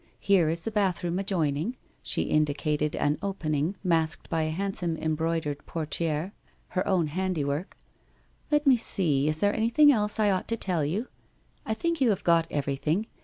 Here is the bathroom adjoining '— she indicated an opening masked by a handsome embroidered portiere, her own handiwork —' let me see, is there anything else I ought to tell you ? I think you have got everything.